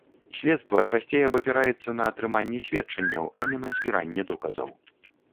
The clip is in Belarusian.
Следства часцей абапіраецца на атрыманне сведчанняў, а не на збіранне доказаў.